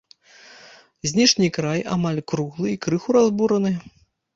Знешні край амаль круглы і крыху разбураны.